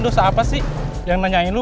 lu ngerti apa sih yang nanyain lu